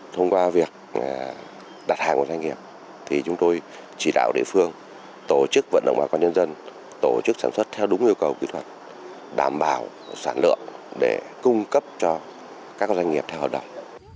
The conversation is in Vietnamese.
thông qua việc đặt hàng của doanh nghiệp thì chúng tôi chỉ đạo địa phương tổ chức vận động bà con nhân dân tổ chức sản xuất theo đúng yêu cầu kỹ thuật đảm bảo sản lượng để cung cấp cho các doanh nghiệp theo hợp đồng